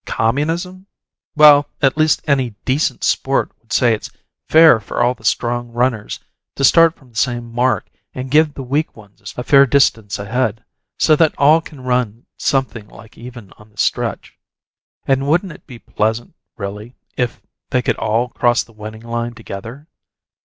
'Communism'? Well, at least any 'decent sport' would say it's fair for all the strong runners to start from the same mark and give the weak ones a fair distance ahead, so that all can run something like even on the stretch. And wouldn't it be pleasant, really, if they could all cross the winning line together?